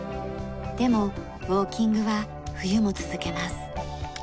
でもウォーキングは冬も続けます。